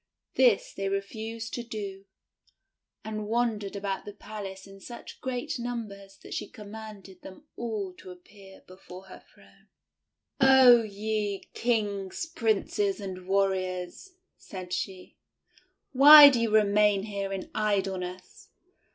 This they refused to do, and wandered about the palace in such great numbers that she com manded them all to appear before her throne. "Oh, ye Kings, Princes and Warriors," said she, "why do you remain here in idleness?